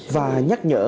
và nhắc nhở